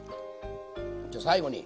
じゃあ最後に。